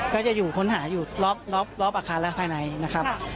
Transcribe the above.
ก็จะอยู่ค้นหาอยู่รอบอาคารและภายในนะครับ